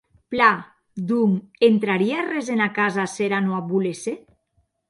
Plan, donc, entrarie arrés ena casa s’era non ac volesse?